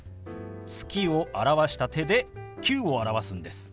「月」を表した手で「９」を表すんです。